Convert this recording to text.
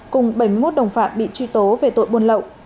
cùng bảy mươi một đồng phạm bị truy tố về tội buôn lậu